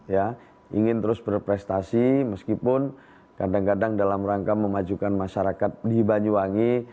ya ingin terus berprestasi meskipun kadang kadang dalam rangka memajukan masyarakat di banyuwangi